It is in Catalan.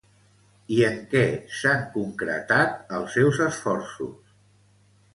I en què s'han concretat els seus esforços?